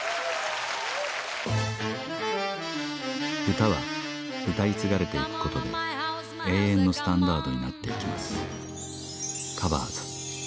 歌は歌い継がれていくことで永遠のスタンダードになっていきます